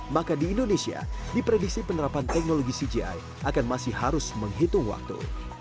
maka di indonesia diprediksi penerapan teknologi cgi akan masih harus menghitung waktu